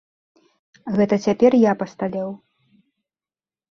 Гэта цяпер я пасталеў.